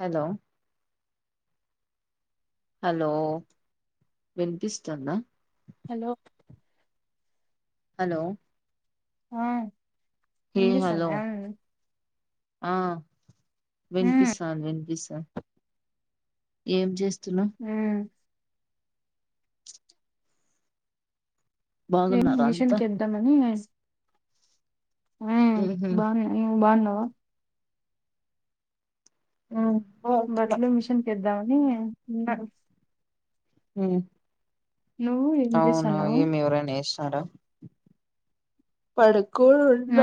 Hello hello వినిపిస్తుందా hello hello ఆ హే hello వినిపిస్తుందా ఆ మ్మ్ వినిపిస్తంది వినిపిస్త ఏం చేస్త హ ఏం బాగున్నారా మిషన్ అంతా కేద్దామని మ్మ్ ఉహు బాన్న నువ్ బాన్నావా ఆ ఆ బట్లు మిషన్ కద్ద నే ఉండరు మ్మ్ నువ్వు ఏం అవును చేస్తాన్నావు ఏమి ఎవరనేస్ ఆడ పడు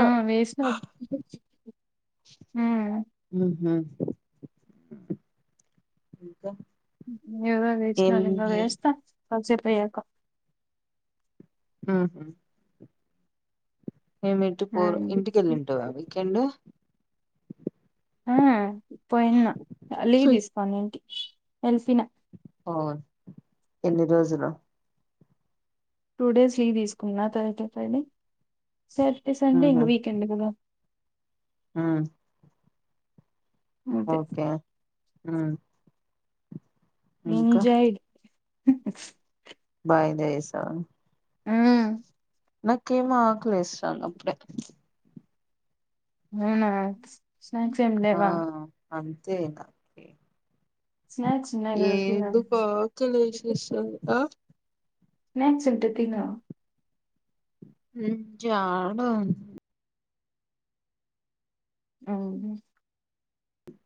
ఆ వేస్నా ఆ ఉహు ఇంకా ఇవ వస్ినం ఏమి వేస్తా కాసేపయాక ఆ హా మేమింటి పోరు ఉమ్. ఇంటిక వెళ్ళింటావా వీకెండ్ ఆ పోయినా లీవ్ తీసుకోని ఇంట్ ఎల్సిన అవున్ ఎన్ని రోజులు టుడేస్ లీవ్ తీసుకున్న త్ర్సడే ఫ్రైడే. సాటర్డే సండే ఇంగా వీకెండ్ కదా. ఆ అంతే ఓకే ఆ ఎంజాయ్ మ్మ్ వాయిదా ఏసావా ఆ నాకేమో ఆకలేస్తంది అప్పుడే మ్మ్ స్నాక్స్ ఏం లేవా అంతే ఇక స్నాక్స్ ఉన్నాయి కదా తిను ఏదు పొతులు ఇశ్విస్తోందో స్నాక్స్ ఉంటే తిను మ్మ్ జాడ అవును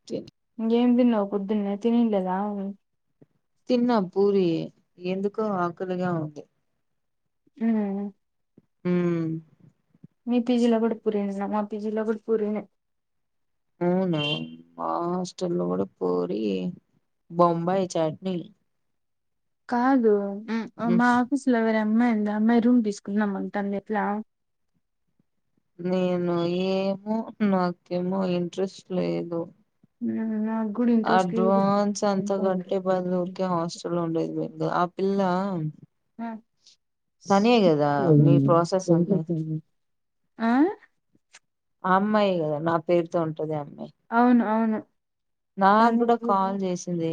చి ఇంగేం తిన్నావ్ పొద్దున్నే తినిం లేదా‌. తిన్న పూరి ఎందుకో ఆకలిగా ఉంది. ఉమ్ ఉం మీ పీజీలో కూడా పూరి తిన్నావా మా పీజీలో గూడా పూరీ నె అవునా మా హాస్టల్ లో కూడా పూరీ బొంబాయి చట్నీ. కాదు. ఉమ్ మ ఆఫీస్ లెవరం అమ్మాయి ఉంది ఆమ్మాయి రూం తీసుకుందాం అంటోంది ఎట్లా నేను ఏమో నాకేమో ఇంట్రెస్ట్ లేదు. న్ నా అడ్వాన్స్ అంత గట్టి పది రోజులు కూడా ఏమో హాస్టల్లో ఉండది ఆ పిల్లా. అం ఆ తనే గదా మీ ప్రాసెస్ అమ్మేది ఆ ఆ అమ్మాయే గదా నా పేరుతో ఉంటది అన్న అవును అవును. నాగ్ దాన్ని గూడా కాల్ చేసింది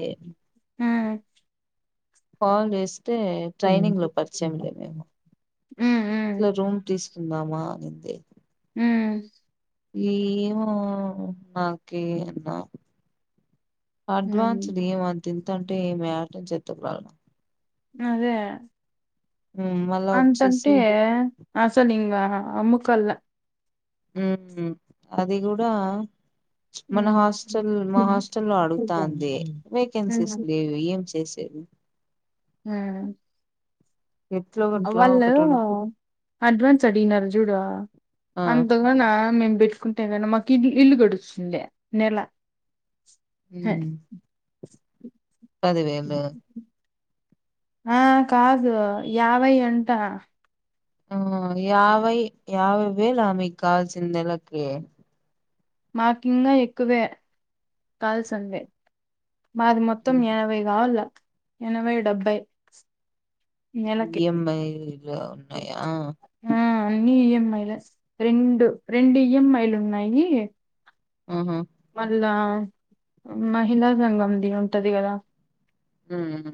కాల్ చేసి టే ట్రైనింగ్ లో పరిచయంలే ఆ మేము హ్మ్ హ్మ్. ఇట్లా రూమ్ తీసుకుందామా అనిం ఏ హ్మ్. ఏవో నాకే అడ్వాన్స్ హ్మ్. దీ మం తుంది తంటే మే ఆటం చెతుకు రాళ్డం అదే మళ్ళా అంతంటే వచ్చేసి అసలు ఇంగ అమ్మ కల్ల ఉం అది గూడా మన హ్మ్. హాస్టల్ మా హ్మ్. హాస్ట లో అడుగుతాంది వేకెన్సీస్ లేవు ఏం చేసి ఎ ఉ హా ఎట్లో గట్లా ఒక వాళ్ళు ట్వం అడ్వాన్స్ అడిగినారు చూడ ఆ అంతగా నా మేము పెట్టుకు కుంటే కనీ మాకు ఇల్ ఇల్లు గడుస్తుంది నెల ఉం అదివేమి ఆ కాదు యావై అంట ఆ యావై యావై వేళ అమె కాల్సింది నెలకి మాకింగా ఎక్కువే కాల్సంది మాది మొత్తం హ్మ్. ఎనభై కావాల్ల ఎనభై డెబ్బై నెలకి. ఇ ఎమ్ ఐ ఉన్నాయా ఆ అన్ని ఈఎంఐ లే రెండు రెండు ఈఎంఐ లు ఉన్నాయి. ఆహా మళ్ళా మహిళా సంఘంది ఉంటది కదా ఉమ్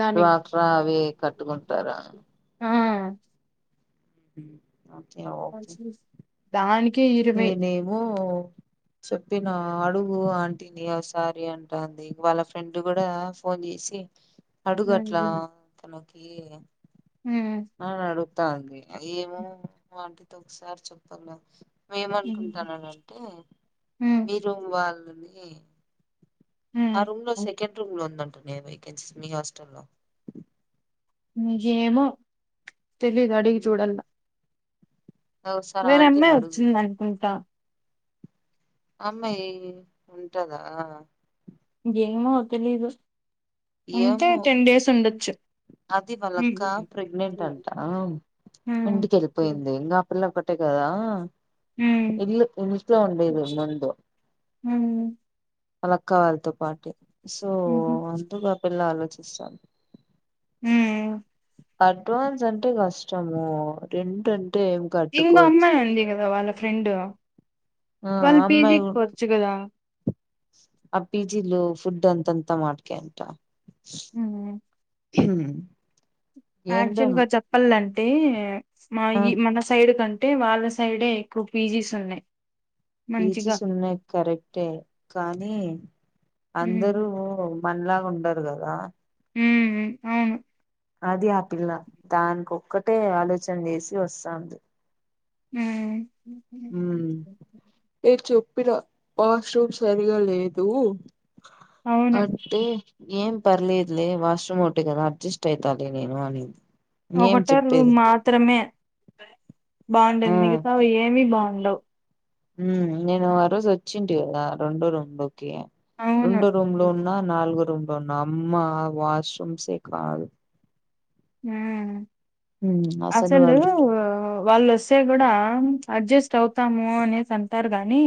దానికి డ్వాక్రా అవి కట్టుకుంటారా. ఆ హ్మ్. ఓకే ఓకే దానికి అయితేనేమో చెప్పిన అడుగు ఆంటీని ఒకసారి అంటంది. వాళ్ళ ఫ్రెండ్ కూడా ఫోన్ చేసి అడుగు ఉమ్, అట్లా తన్ ఏ ఉమ్, అ అడు ఆ అండి. ఏమో క్వాంటి తో ఒకసారి చెప్పన్న ఏమంటు ఉమ్, అంటున్నాడంటే మీరు వాళ్లు ఏ ఆ ఉమ్. రూమ్ లో సెకండ్ రూమ్ లో ఉన్నట్టు ఏ వేకెన్సీస్ మీ హాస్టల్లో ఏమో తెలిదు అడిగి చూడల్ల ఒకసారి వేరే ఆంటీని అమ్మాయి అడుగు వచ్చింది అనుకుంటా అమ్మాయి ఉంటదా ఏమో తెలిదు ఏమో అది వాళ్ళ అక్క ఉమ్ ప్రెగ్నెంట్ అంట. ఇంటికి ఉమ్ వెళ్ళిపోయింది. ఇంకా ఆ పిల్ల అంతే కదా ఉమ్ ఇల్ ఇంట్లో ఉండేది ముందు ఉమ్ వాళ్ళ అక్క వాళ్ళతో పాటు సో ఉమ్ వెళ్లి ఆలోచిస్తాను. హ అడ్వాన్స్ అంటే కష్టము రెంట్ ఏం ఇంకో కట్టుకోవచ్చు అమ్మాయి ఉంది కదా వాళ్ళ ఫ్రెండ్ ఆ వాళ్లు అమ్మాయి పీజీకి పోవచ్చు కదా ఆ పీజీలు ఫుడ్ అంతంత వాటికే అంత [inaudible] హ యాక్చువల్ గా చెప్పాలంటే టే ఆ మాయి మన సైడ్ కంటే అంటే వాళ్ళసైడే ఎక్కువ పీజీస్ ఉన్నాయి మంచిగా పీజీస్ ఉన్నాయి కరెక్టే కానీ ఉమ్ అందరూ మనలాగా ఉండరు కదా ఉ అవును అది ఆ పిల్ల దానికో ఒక్కటే ఆలోచన చేసి వస్తాంది ఊమ్ ఊమ్ ఏ చూ ఇడ వాష్రూమ్ సరిగా లేదు అవును అంటే ఏం పర్లేదులే వాష్రూమ్ ఒకటే కదా అడ్జస్ట్ అయితలే నేను అనింది ఏం ఒకటో రూమ్ చెప్పేది మాత్రమే బాయ్ బాగుంటుంది మిగతా ఏమి బాగు ఉండవు ఊమ్ నేను ఆ రోజు వచ్చింటి కదా రొండో రౌండు ఓకే అవును రొండో రూంలో ఉన్న నాలుగో ఉంటున అమ్మా వాష్ రూమ్ సే కాదు ఊమ్ ఉమ్ అసలు వాళ్ళు ఊ వాళ్ళుొస్తే కూడా అడ్జస్ట్ అవుతాము అనేసి అంటారు గాని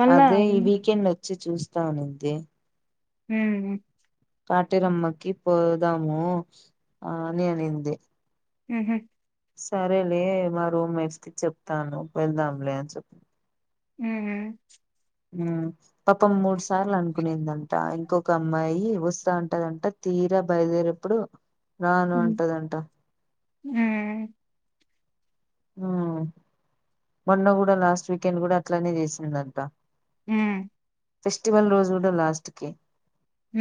మళ్ళా అదే ఈ వీకెండ్ వచ్చి చూస్తా అనింది ది ఊమ్ కాటేరమ్మకి పోదాము అని అనింది ఊహూ సరేలే మా రూమ్ మేట్స్ కి చెప్తాను వెళ్దాంలే అని చెప్ ఊ ఊ ఉమ్ పాపం మూడు సార్లు అనుకునిందంట ఇంకొక అమ్మాయి వస్తా అంటదంట తీరా బయలుదేరే అప్పుడు రాను అంటదంట ఊ ఊ మొన్న కూడా లాస్ట్ వీకెండ్ కూడా అట్లనే చేసిందంట ఊ ఫెస్టివల్ రోజు కూడా లాస్ట్ కి ఊ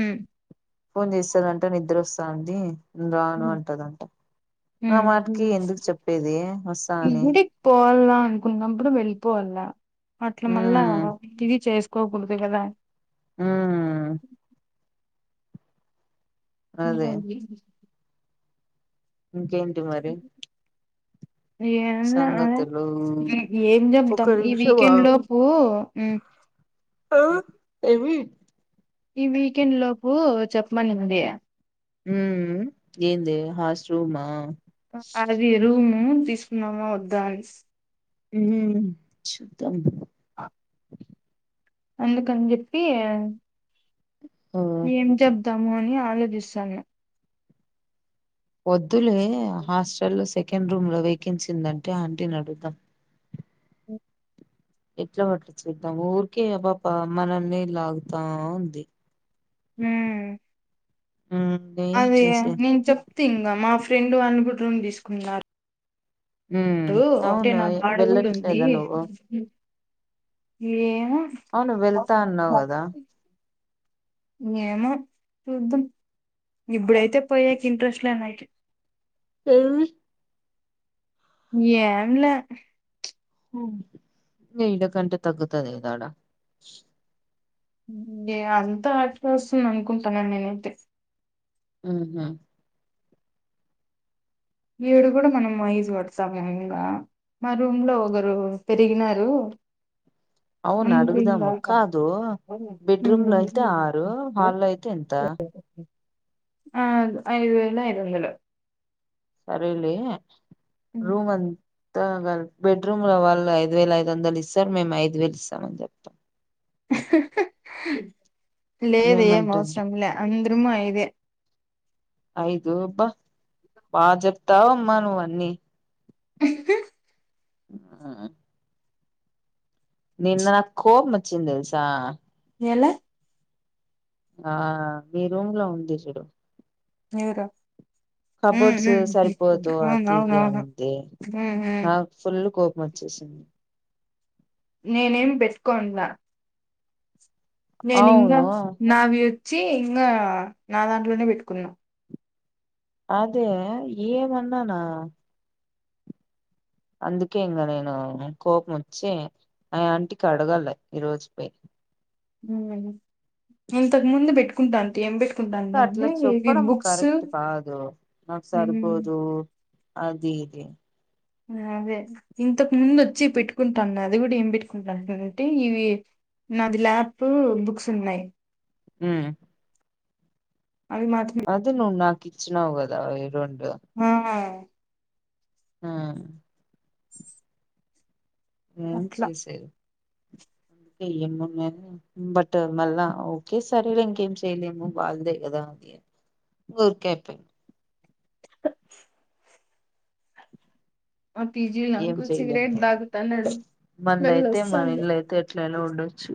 ఫోన్ చేస్తాదంట నిద్రొస్తాంది రాను హ్మ్. అంటదంట ఆ హ్మ్. హ్మ్. మాటకి ఎందుకు చెప్పేది వస్తా అని కున్నప్పుడు వెలిపోవాల అట్ల మళ్ళా మ్మ్ [inaudible] ది చేస్ కోకూడదు కదా మ్మ్ ఏ అదే మళ్ళీ ఇంకేంటి మరి ఏం లే సంగతులు ఏం ఒక్క చెప్దాం ఈ నిమిషం వీకెండ్ ఆగు లోపు ఉ ఆ ఏవి ఈ వీకెండ్ లోపు చెప్పమనింది ఉమ్ ఏందే హాస్ రూమ్ ఆ అది రూము తీ నమో వద్దా అనేసి ఉమ్ [unintelligible] అందుకని చెప్పి ఆ ఏం చెప్దాము అని ఆ ఆలోచిస్తాన వొద్దులే హాస్టల్లో సెకండ్ రూమ్ లో వేకెన్సీ ఉందని అంటీ నీ అడుగుతా హ్మ్. ఎట్లా ఒక్కటి చేదము ఊరికే ఆ పాప మనల్ని లాగుతా ఉంది ఉమ్ ఉమ్ ఏం అదే చేసేది నేను చెప్తే [unintelligible] మా ఫ్రెండ్ ఫ్రెండు [unintelligible] తీసుకున్నారు ఉమ్ ఇప్పుడు ఒక్కటి అవును నాకడ కూడా ఉంది వెళ్ళట్లేదా నువ్వు ఏం అవును వెళ్తా అన్నావు కదా ఏమో చూద్దాం ఇప్పుడైతే పోయేక ఇంట్రెస్ట్ లేదు నైట్ [unintelligible] ఏం లే ఈడ కంటే తగ్గుతది కదా ఆడ ఎ అంతా అటేకెవస్తుది అనుకుంటాన్నాను నేను ఐతే ఉహు వేడు కూడా మనం ఐదు వాట్సప్ [inaudible] మా రూమ్ లో ఒకరు పెరిగినారు అవును అందుకు ఇంగా అడుగుదాము కాదు బెడ్ రూమ్ లో అయితే ఆరు హాల్లో అయితే ఎంత ఆ ఐదు వేయిల ఐదు వందలు సరేలే రూమ్ అ ఇద్దరం కలిపి బెడ్ రూమ్ లో వాళ్ళు ఐదు వేల ఐదు వందలు ఇస్తారు మేము ఐదు వేలు ఇస్తామని చెప్తా లేదు ఏం ఏమంటది అవసరంలే అంద అమ్మా ఇదే ఐదు అబ్బ భాజప్తావు అమ్మా నువ్వు అన్ని అఆ నిన్న నాకు కోపం వచ్చింది తెలుసా ఎలా ఆ మీ రూమ్ లో ఉంది చూడు ఎవరు ఉమ్ కబోర్డ్స్ ఉమ్ సరిపోదు అది ఇది అవునవునవును అనింది ఉమ్ ఉమ్ నాకు ఫుల్ కోపం వచ్చేసింది నేనే ఏం పెట్టుకోండులే నేను ఇంగా అవును నావి వచ్చి ఇంగా నా దాంట్లోనే పెట్టుకున్నా అదే ఏమన్నానా అందుకే ఇంగా నేను కోపం వచ్చి ఆ ఆంటికి అడగల ఈ రోజు పోయి హ్మ్ ఇంతకు ముందు పెట్టుకుంటా అంటే ఏం పెటు అట్లా చెప్పడం కరెక్ట్ కాదు నాకు ఉమ్ సరిపోదు అది ఇది అదే ఇంతకు ముందు వచ్చి పెట్టుకుంటాది అది కూడా ఏం పెట్టుకుంది న అంటే ఇవి నాది ల్యాప్, బుక్స్ ఉన్నాయి, హు అవి మాత్రం అది నువు నా కిచ్చినావు కదా ఆ హు ఏం అట్లా చేసేది [unintelligible] బట్ మళ్ళా ఓకే సరేలె ఇంకేం చేయలేమో బాగుదే కదా అది ఊరుకైపోయి ఆ పీజీ ఏం నాకు చేయలేమ సిగరెట్ తాగుతన్నాడు స్మెల్ మనదయితే మన వస్తాంది ఇళ్ళయితే ఎట్లయినా ఉండొచ్చు